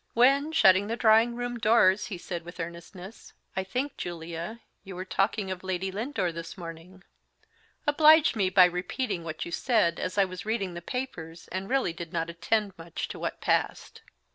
When, shutting the drawing room doors, he said, with earnestness, "I think, Julia, you were talking of Lady Lindore this morning: oblige me by repeating what you said, as I was reading the papers, and really did not attend much to what passed."